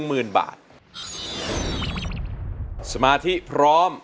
เพลงแรกของเจ้าเอ๋ง